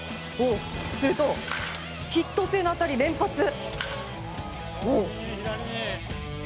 するとヒット性の当たり連発。